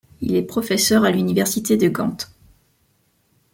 Il est professeur à l'université de Gand.